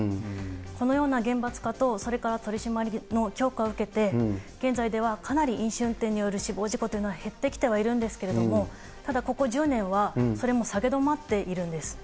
このような厳罰化と、それから取締りの強化を受けて、現在ではかなり飲酒運転による死亡事故というのは減ってきてはいるんですけれども、ただ、ここ１０年はそれも下げ止まっているんです。